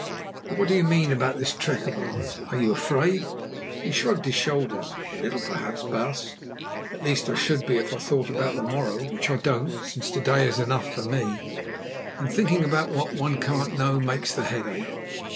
But what do you mean about this trek of ours? Are you afraid?" He shrugged his shoulders. "A little, perhaps, baas. At least, I should be if I thought about the morrow, which I don't, since to day is enough for me, and thinking about what one can't know makes the head ache.